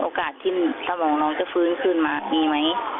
ที่สมองน้องจะฟื้นขึ้นมามีไหม